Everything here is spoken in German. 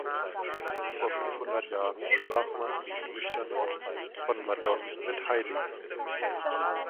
Vor fünfhundert Jahren sprach man, nüchterner, von ‚Madonnen mit Heiligen‘.